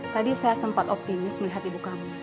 tadi saya sempat optimis melihat ibu kamu